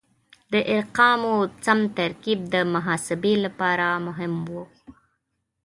د ارقامو سم ترکیب د محاسبې لپاره مهم و.